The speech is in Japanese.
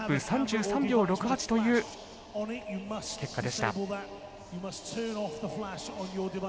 １分３３秒６８という結果でした。